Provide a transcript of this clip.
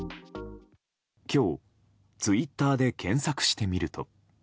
今日、ツイッターで検索してみると。